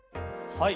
はい。